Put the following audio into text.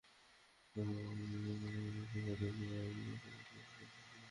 তার হালকা ধমকটি হজম করে আমি বললাম, কফি খেলে আমার সমস্যা হয়।